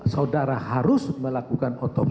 saudara harus melakukan otopsi